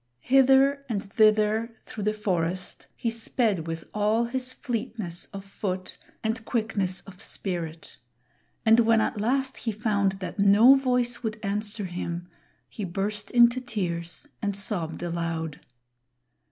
Hither and thither through the forest he sped with all his fleetness of foot and quickness of spirit; and when at last he found that no voice would answer him, he burst into tears and sobbed aloud.